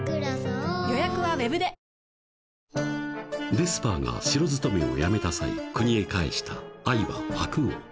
［デスパーが城勤めをやめた際国へ返した愛馬白王］